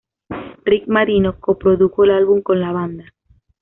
Rick Marino coprodujo el álbum con la banda.